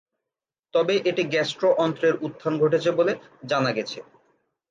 তবে এটি গ্যাস্ট্রো-অন্ত্রের উত্থান ঘটেছে বলে জানা গেছে।